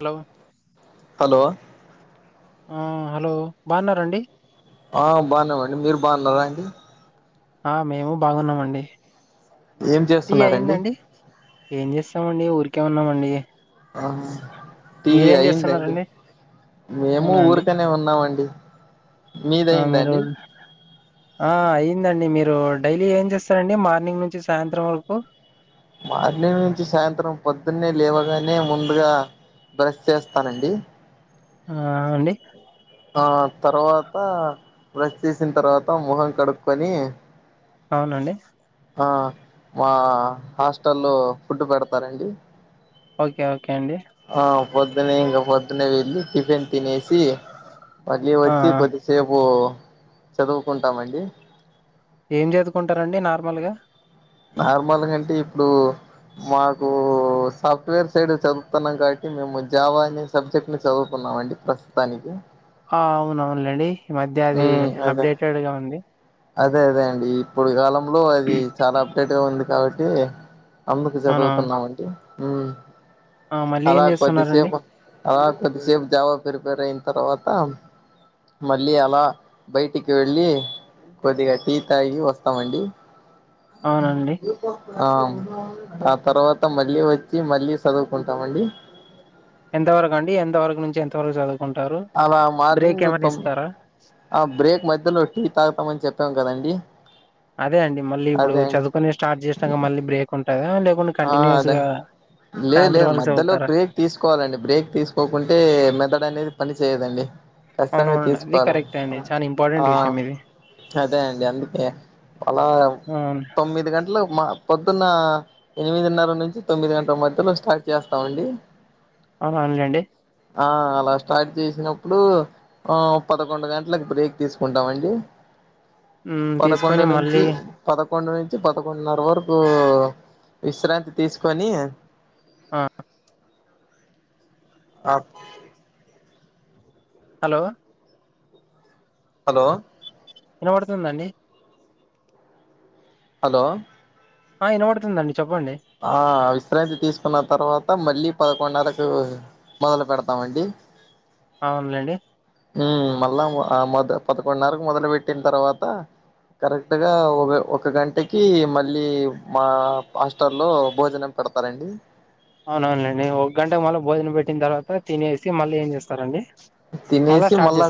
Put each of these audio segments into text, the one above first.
Hello hello ఆ hello బాగున్నారా అండి ఆ బాగున్నామండి మీరు బాగున్నారా అండి ఆ మేము బాగున్నామండి ఏం టీ చేస్తున్నారండి అయిదండి ఏం చేస్త ఏమండి ఊరికే వున్నామండి ఆ టీ అయిదండి మేము అవునండి ఊరికనే ఉన్నామండి మీది ఆ మీరు అయిందండి ఆ అయిదండి మీరు డైలీ ఏం చేస్తారండి మార్నింగ్ నుంచి సాయంత్రం వరకు మార్నింగ్ నుంచి సాయంత్రం పొద్దున్నే లేవగానే ముందుగా బ్రష్ చేస్తానండి ఆ అండి ఆ తర్వాత బ్రష్ చేసిన తర్వాత ముఖం కడుక్కకొని అవునండి ఆ మా హాస్టల్లో ఫుడ్ పెడతారండి ఓకే ఓకే అండి ఆ పొద్దునే ఇంకా పొద్దునే వెళ్ళి టిఫిన్ తినేసి మళ్ళీ ఆ వచ్చి కొద్దిసేపు చదువుకుంటామండి ఏం చదువుకుంటారండి నార్మల్గా నార్మల్ గా అంటే ఇప్పుడు మాకు సాఫ్ట్వేర్ సైడ్ చదువుతున్నాం కాబట్టి మేము జావా అనే సబ్జెక్ట్ ని చదువుతున్నామ అండి ప్రస్తుతానికి అవునవును లేండి ఈ మధ్య అది ఉమ్ అదే అప్డేటెడ్ గా ఉంది అదే అదే అండి ఇప్పుడు కాలం లో అది చాలా అప్డేట్ అదే ఉంది కాబట్టి అందుకు అవునవును చదువుతున్నామండి ఆమ్ ఆ మళ్ళీ ఏం అలా చేస్తున్నారండి కొద్దిసేపు అలా కొద్దిసేపు జావా ప్రిపేర్ అయిన తర్వాత మళ్ళీ అలా బయటికి వెళ్ళి కొద్దిగా టీ తాగి వస్తామండి అవునండి ఆ ఆ తర్వాత మళ్ళీ వచ్చి మళ్ళీ చదువుకుంటామండి ఎంతవరకు అండి ఎంతవరకు నుంచి ఎంత వరకు చదువుం కుంటారు అలా బ్రేక్ మార్నింగ్ తొ ఏమన్నా ఇస్తారా ఆ బ్రేక్ మధ్యలో టీ తాగుతామని చెప్పాం గదండి అదే అండి మళ్ళీ ఇప్పుడు చదువుకునే స్టార్ట్ చేసినాక మళ్ళీ బ్రేక్ ఉంటుందా లేకుండా ఆ అదే లేదు లేదె వరకు మధ్యలో చదువుతారా బ్రేక్ తీసుకోవాలండి బ్రేక్ తీసుకోకుంటే మెదడు అనేది పని చెయ్యదండి కచ్చింగా అవునవునండి అది తీసుకోవాలండి కరెక్ట్ అండి చాలా ఇంపార్టెంట్ ఆ విషయం ఇది అదే అండి అందుకే అలా అవును తొమ్మిది గంటలు మ పొద్దున్న ఎనిమిదిన్నర నుంచి తొమ్మిది గంటల మధ్యలో స్టార్ట్ చేస్తామండి అహ అవున్లేండి ఆ అలా స్టార్ట్ చేసినప్పుడు పదకొండు గంటలక్ బ్రేక్ తీసుకుంటామండి ఉమ్ తీసుకొని మళ్ళీ కొండు నుంచి పదకొండున్నర వరకు విశ్రాంతి తీసుకొని హా అ హలో హలోయ్ వినబడుతుందండి హా ఆ ఇనబడుతుందండి ఆ అ కిరాయి తీసుకున్న తర్వాత మళ్ళీ పదకొండున్నరకు మొదలు పెడతామండి అవున్లేండి ఉమ్ మళ్ళా మొ పదకొండున్నరకు మొదలు పెెట్టిన తర్వాత కరెక్ట్గా ఒక ఒక గంటకి మళ్ళీ మా అస్ స్టల్లో భోజనం పెడతారండి అవునవును లేండి ఒక గంట మళ్ళీ భోజనం పెట్టిన తర్వాత తినేసి మళ్ళీ ఏం చేస్తారంండి తినేసి మళ్ళా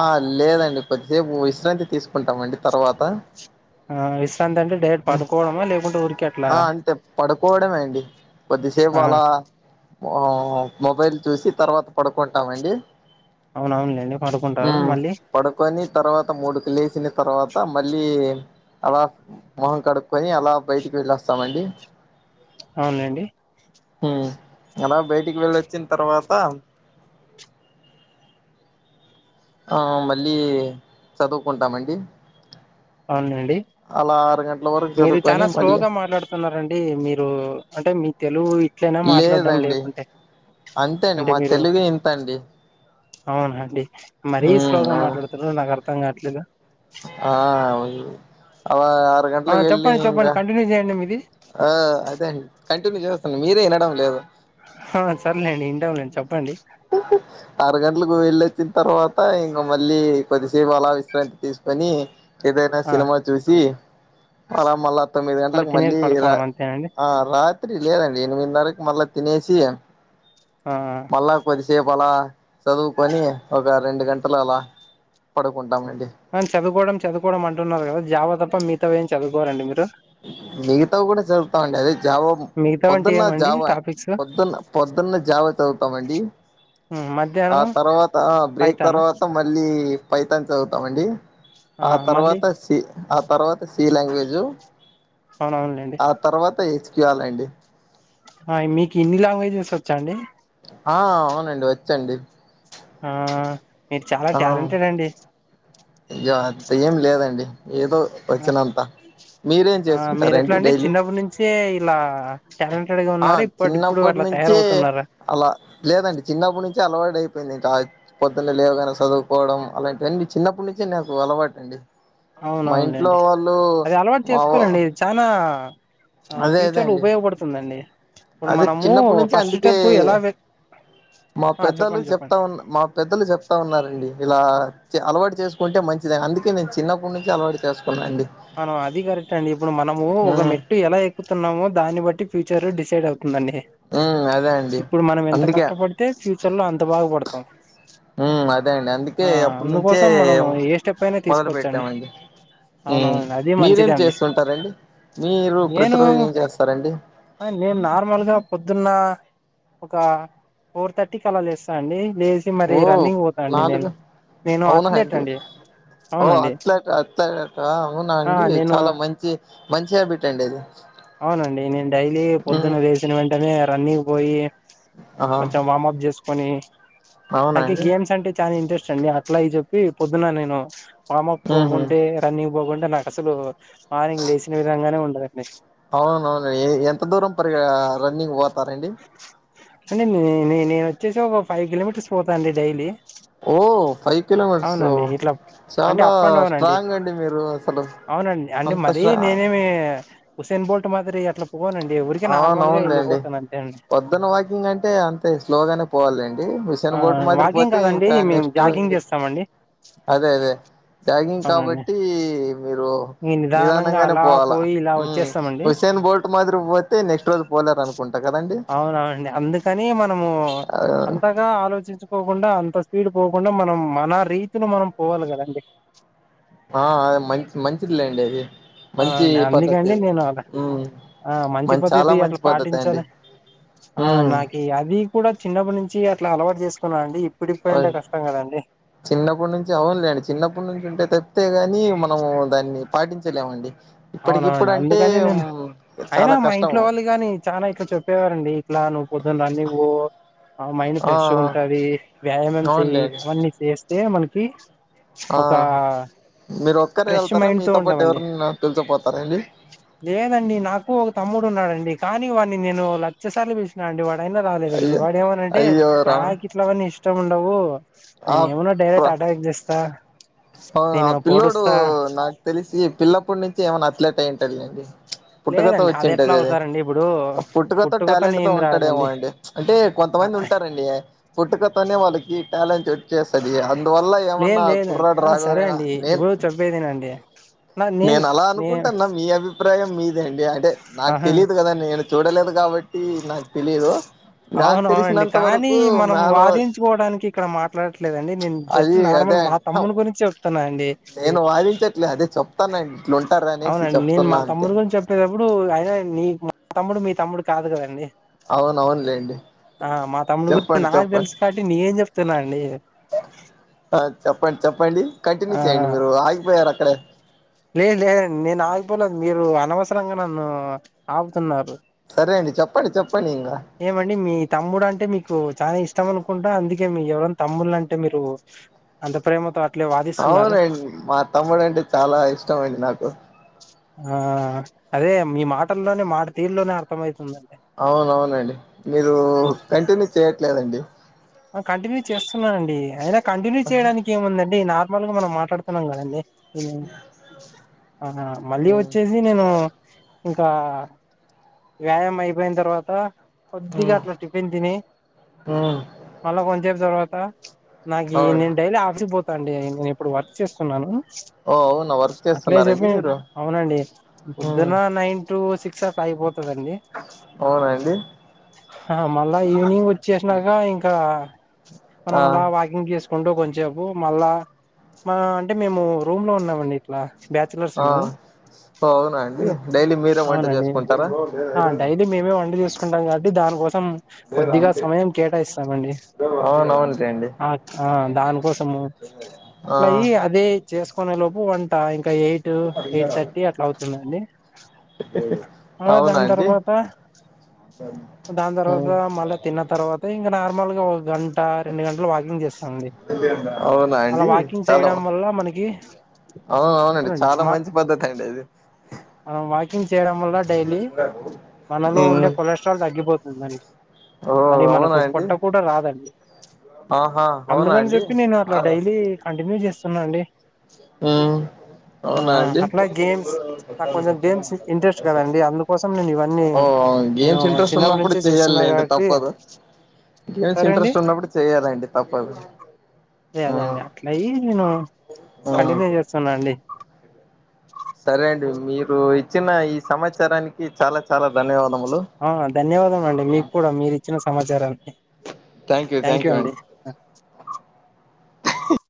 ఆ లేదండి కొద్దిసేపు విశ్రాంతి తీసుకుంటామండి తర్వాత ఆ విశ్రాంతి అంటే డేట్ పడుకోవడమా లేకుంటే ఉరికిే అట్ల కొద్ది సేపు అలా అ మొబైల్ చూసి తర్వత్ పడుకోండి తామండి అవునవునులేండి పడుకుంటారు ఉమ్ మళ్ళీ పడుకొని తర్వాత మూడుకు లేసిన తర్వాత మళ్ళీ అలా మొహం కడుక్కోని అలా బయటికి వెళ్ళొస్తామండి అవున్ లేండి ఉమ్ యనా బయటికి వెళ్ళొచ్చిన తర్వాత హ మళ్ళీ చదువుకుంటామండి అవునండి అలా ఆరు గంటల వరకు మీరు చదువుకొని చాలా మళ్ళీ స్లోగా మాట్లాడుతున్నారండి మీరు అంటే మీ తెల్గువి లేదండి అంతే అండి మా తెలుగె ఇంతండి అవును అండి మరీ స్లో గా అవును మాట్లాడుతుర్రు నాకర్ ర్థంగావట్లేదు ఆ అ ఆ చెప్పండి చెప్పండి ఇంకా కంటిన్యూ చేయండి మీది ఆ అదే అండి కంటిన్యూ చేస్తును మీరే వినడం లేదు ఆ సర్లేండి ఇంటాంలేండి చెప్పండి ఆరు గంటలకు వెళ్ళొచ్చిన తర్వాత త ఇంకా మళ్ళీ కొద్దిసేపు అలా విశ్రాంతి తీసుకొని ఏదైనా ఆ సినిమా జూసి అలా మళ్ళా తొమ్మిది మళ్ళీ గంటలకు మళ్ తినేసి ఇర పడుకోవడం అంతేనండి ఆ రాత్రి లేదండి ఎనిమి న్నారుకు మళ్ళ తినేసి ఆ మళ్ళా కొద్దిసేప్ వలా చదువుకొని ఒక రెండు గంటలు అలా పడుకుం అని చదువుకోవడం చదువుకోవడం అంటున్నారు కదా జావ తప్ప మిగతావేం చదువుకోరండి మీరు తా ఉండేది జావ మిగతావి అంటే పొద్దున్న ఏమండి జావ టాపిక్స్ పొద్దున్న పొద్దున్న జావ చదువుతామండి ఆ మధ్యాహ్నము తర్వాత బ్రేక్ పైతానా తర్వాత మళ్ళీ పైథాన్ చదువుతామండి, ఆ తర్వాత సీ, ఆ తర్వాత సి లాంగ్వేజ్ అవునవునులేండి ఆ తర్వాత ఇచ్ కియాలేండి మీకు ఇన్ని లాంగ్వేజెస్ వచ్చా అండి ఆ అవునండి వచ్చండి ఆ మీరు చాలా టాలెంటెడ్ అండి యా అంత ఏం లేదండి ఏదో వచ్చినంతా మీరేం ఆ మీరు ఎట్లా చేసుకుంటారండి అండి డైలీ, చిన్నప్పటి నుంచే ఇలా టాలెంటెడ్ గా ఆ ఉన్నారు ఇప్పటిప్పుడు చిన్నప్పటి అట్లా నుంచే తయారవుతున్నారా అలా లేదండి చిన్నప్పటి నుంచి అలవాటు అయి. పోయిందిట ఆయ్ పొద్దున్నే లేవగానే చదువుకోవడం అలాంటివన్నీ చిన్నప్పుడునుం చి నాకు అలవాటు అండి అవును ఇంట్లో అవునులేండి వాళ్ళు అది అలవాటు మా అవ్వ చేసుకోవాలండి చానా ఆ అదే అదే ఫ్యూచర్లు అండి ఉపయోగపడుతుందండి ఇప్పుడు అదే మనము చిన్నప్పటి నుంచి ఫస్ట్ అందుకే స్టెప్ ఎలా వె మా ఆ పెద్దలు చెప్పండి చెప్తా చెప్పండి ఉన్న మా పెద్దలు చెప్తా ఉన్నారండి ఇలా అలవాటు చేసుకుంటే మంచిద, అందుకే నేను చిన్నప్పటి నుంచి అలవాటు చేస్ అన అది కరెక్ట్ అండి, ఇప్పుడు మనము ఒక ఉమ్ మెట్టు ఎలా ఎక్కుతున్నామో దాన్ని బట్టి ఫ్య చరు డిసైడ్ అవు దండి ఉమ్ అదే అండి ఇప్పుడు మనం ఎంత అందుకే కష్టపడితే ఫ్యూచర్ లో అంత బాగుపడ్ స ఉ అదే అండి అందుకే అప్పటి నుంచే అందుకోసం మనం ఏ స్టెప్ అయినా మొదలు తీసుకోవచ్చండి పెట్టామండి మ్ అవునవునండి అది మంచిదే మీరేం అండి చేస్తుంటారండి మీరు నేను ప్రతిరోజు ఏం చేస్తారండి నిన్న ఒక ఫోర్ థర్టీ క అలాలుేస్తా అండి లేసి మరి ఓ రన్నింగ్ పోతానుండి నాలుగు నేను నేను అథ్లెట్ అండి ఓ అవునండి అట్లాట అట్లాట అవునా ఆ అండి నేను చానా మంచి మంచి హబిట్ అండి అది అవునండి నేను డైలీ ఉమ్ పొద్దున్న లేసిన వెంటనే రన్నింగ్ పోయి, ఆహా కొంచెం వార్మప్ చేసుకు చుకొని అవునా నాకే అండి గేమ్స్ అంటే చానా ఇంట్రెస్ట్ చండి అట్లా అవి చెప్పి పొద్దున నేను వార్మఅప్ ఉహు పోకుంటే రన్నింగ్ పోకు నాక్ అసలు మ ఇంగ్లేసిన విధంగానే ఉం [unintelligible] అవును అవును ఎంత దూరం పరి రన్నింగ్ పోతార అండి అంటే న నేను వచ్చేసి ఒక ఫైవ్ కిలోమీటర్స్ పోతాను అండి డైలీ ఓ ఫైవ్ కిలోమీటర్స్ అవునండి ఇట్లా అంటే చాలా అప్ అండ్ డౌన్ స్ట్రాంగ్ అండి మీరు అసలు అవునండి అంటే అంత మరీ స్ట నేనేమి హుసేన్ బోల్ట్ మాదిరి అట్ పోనండి ఎవరికి నార్మల్ గా వెళ్ళిపోత పొద్దున వాకింగ్ అంటే అంతే స్లోగానే పోవాలండి చిన్న ఆ బోటు మాది వాకింగ్ పోతే కాదండి ఇంకా మేము నెక్స్ట్ ర జాగింగ్ చేస్తామండి అదే అదే జాగింగ్ అవునండి కాబట్టి మీరు ఈ నిదానంగా నిదానంగానే అలా పోవాలా పోయి ఇలా హుసేన్ బోల్ట్ మాదిరి పో అవునవుండి అందుకని మనము ఆ అంతగా ఆలోచించుకోకుండా అంత స్పీడ్ పోకుండా మనం మన రీతిలో మనం పోవాలి కదాండి ఆ అ మంచి మంచిదిలేండి అది ఆ మంచి అండి అందుకే పద్ధతి అండి నేను అలా ఉమ్ ఆ మంచి మం చాలా పద్ధతి మంచి అట్లా పద్ధతి అండి పాటించాలి ఆ ఉమ్ నాకి అది కూడా చిన్నప్పటి నుంచ్ చి అట్లా అలవాటు చేసుకున్నా అండి ఇప్పుడిప్పుడంటే [unintelligible] కష్టం కదండి చిన్నప్పుటి నుంచి అవునులేండి చిన్నప్పుటి నుంచి ఉంటే తప్తే గా ని మనము దాన్ని పాటించలేమండి ఇప్పటికిప్పుడు అవునవునండి అంటే అందుకని నేను అయినా చాలా మా ఇంట్లో కష్టము వాళ్ళు గానీ చానా ఇట్లా చెప్పేవారండి ఇట్లా నువ్వు పొద్దున్న రన్నింగ్ పో ఆ మైండ్ ఫ్రెష్ ఉంటాది వ్యాయామం చెయ్యి అవునులేండి అన్నీ చేస్తే మన పి ఆ మీరు ఒక్కరే ఫ్రెష్ వెళ్తారా మైండ్ తో మీతో పాటు ఉండమండి ఎవరన్నా తెల్ లేదండి నాకు ఒక తమ్ముడు ఉన్నాడండి కానీ వా పని నేను లక్ష సార్లు పిల్చినా అండి వాన్ ఐనా రాలేదండి అయ్యో వాడేమనంటే అయ్యో రామ నాకాట్లవన్నీ ఇష్ట ష్టముండవు నేను ఏమున్నా డైరెక్ట్ అటాక్ చేస్తా అ ఆ నేను పిల్లోడు పొడుస్తా నాకు తెలిసి పిల్లప్పుడి నుంచి ఏమన్నా అథ్లెట్ అయ్యంటాడు లేండి పుట్టుకతో లేదండి ఎట్లా వచ్చింటది అది అవుతారండి ఇప్పుడు పుట్టుకతో టాలెంట్తో ఏంది ఉంటాడేమో రాలేదండి అండి అంటే కొంతమంది ఉంటారండి పుట్టుకతోనే వాళ్ళకి టాలెంట్ వచ్చేస్తుది అన్ దువల్ల లేదు ఏమన్నా లేదండి కుర్రాడ్ ఆ సరే అండి ఇప్పుడు చప్పేదిన డి నేను అలా అనుకుంటాన్నా మీ అభిప్రాయం మీదే అండి అదే నాకు ఆహా తెలియదు కదా నేను చూడలేదు కాబట్ అవునవునండి తెలిసినంత కానీ వరకు మనం మేలో వాదించుకోవడానికి ఇక్కడ మాట్లాడట్లేదండి నేను జస్ట్ అది నార్మల్ అదే మా తమ్ముని అండి గురించి అండి నేను వాదించట్లే అదే చప్ అవునండి నేను మా తమ్ముని గురించి చెప్పేటప్పుడు అయినా నీ మా తమ్ముడు మీ తమ్ముడు కాదు కదండి అవునవునులేండి ఆ మా తమ్ముడు [unintelligible] చెప్పండి నాకు చెప్పండి తెలుసు కాట్టి నే చెప్ తేనా అండి ఆ చెప్పండి చెప్పండి కంటిన్యూ ఆ చేయండి మీరు ఆగిపోయారు అక్కడే లేదు లేదు నేను ఆగిపోలేదు మీరు అనవసరంగా నన్ను ఆపుతున్నారు సరే అండి చెప్పండి చెప్పండి ఇంకా ఏమండి మీ తమ్ముడు అంటే మీకు చా ఇష్టం అనుకుంటా అందుకే మి ఎవరనా తమ్ముళ్లు అంటే మీరు అంత ప్రేమతో అట్లే వాదిస్తున్నారు అవునండ్ మా తమ్ముడు అంటే చాలా ఇష్టం మండి నాకు ఆ అదే మీ మాటల్లోనే మాట తీరులోనే అర్థ మైతుందండి అవునవునండి మీరు కంటిన్యూ చేయట్లేదండి కంటిన్యూ చేస్తున్నానండి అయినా కంటిన్యూ చేయడానికి ఏముందండి నా నార్మల్గా మనం మాట్లాడుతున్నాం కదండి మళ్ళీ మ్మ్ వచ్చేసి నేను ఇంకా వ్యాయామ్ అయిపోయిన తర్వాత కొద్దిగా మ్మ్ అట్ల టిఫిన్ తిని మ్మ్ మళ్ల కొంచేపు తర్వాత రా నాకి అవును నేన్ డైలీ ఆఫిస్ కి బొ అండి నేను ఇప్పుడు వర్క్ చేస్తున్నాను ఓ అవునా వర్క్ అట్లే చేస్తున్నారండి చెప్పండి మీరు అవునండి మ్మ్ పొద్దున నైన్ టు సిక్ [unintelligible] కదండి అవునండి హా మళ్ళా ఈవినింగ్ వచ్చేసినాక ఇంకా మనం ఆ అలా వాకింగ్ చేసు ఉండు కొంచేపు మళ్ళా మా అంటే మేము రూమ్ లో ఉన్నామండి ఇట్లా బ్యాచలర్స్ ఆ మేము అవునా అండి డైలీ మీరే వంట అవునండి చేసుకుంటారా ఆ డైలీ మేమే వంట చసుకుంటాం. కాబట్టి దానికోసం కొద్దిగా సమయం కేటాయిస్తామండి. అవునవునులేండి ఆ ఆ దానికోసము ఆ అట్ల అయ్యి అదే చేస్ కొనే లోపు వంట ఇం గా ఎయిట్ ఎయిట్ థర్టీ అట్లా అవుతుందండి మళ్ళా అవునా దాని అండి తర్వాత దాని తర్వాత ఉమ్ మళ్ళా తిన్న తర్వాత ఇంగ నార్మల్ గా ఓ గం టా రెండు గంటలు వాకింగ్ చేస్తాం అండి అవునా అలా అండి వాకింగ్ చాలా చేయడం వల్ల మనకి అవును అవునండి చాలా మా మంచి పద్ధతి అండి అది ఆ వాకింగ్ చేయడం వల్ల డైలీ మనలో ఉమ్ ఉండే కొలెస్ట్రాల్ తగ్గిపోతుందండి ఓ మరి మనకు అవునా అండి పొట్ట కూడా రాదండి ఆహా అవునా అందుకని అండి చెప్పి నేను అట్లా డైలీ కంటిన్యూ చేస్ స్తున్నా అండి ఆ ఆ అవునా అండి అట్లా గేమ్స్ నాకు కొంచెం గేమ్స్ ఇంట్రెస్ట్ కదండి అందుకోసం నేను ఇవన్నీ ఓ అవును నేను గేమ్స్ ఇంట్రెస్ట్ చిన్నప్పటి ఉన్నప్పుడు నుంచే చేస్తున్నా చెయ్యాలి. అండి కాబట్టి తప్పదు. గేమ్స్ సరే అండి ఇంట్రెస్ట్ ఉన్నప్పుడు చెయ్యాలండి. తప్పదు ఆ అదే అండి అట్లయి నేను కంటిన్యూ చేస్తున్నా అండి. సరే అండి మీరు ఇచ్చిన ఈ సమాచారానికి చాలా చాల ఆ ధన్యవాదం అండి. మీకు కూడా మీరు ఇచ్చిన సమాచారానికి థ్యాంక్ యూ అండి.